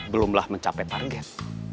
belumlah mencapai target